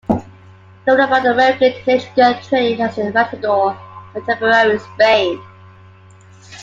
Novel about an American teenage girl training as a matador in contemporary Spain.